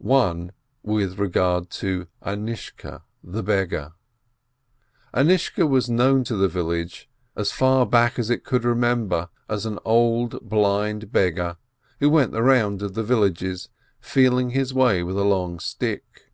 One with regard to Anishka the beggar. Anishka was known to the village, as far back as it could remember, as an old, blind beggar, who went the round of the villages, feeling his way with a long stick.